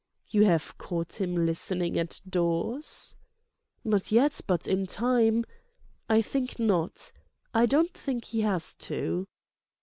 "You have caught him listening at doors?" "Not yet. But in time—" "I think not. I don't think he has to."